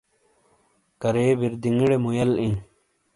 کرے بِردینگیڑے مُویل اِیں۔